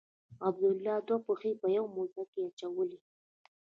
عبدالله دوې پښې په یوه موزه کې اچولي.